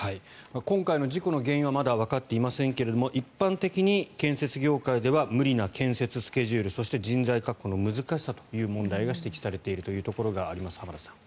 今回の事故の原因はまだわかっていませんが一般的に建設業界では無理な建設スケジュールそして人材確保の難しさという問題が指摘されているところがあります、浜田さん。